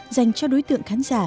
dành cho đối tượng khán giả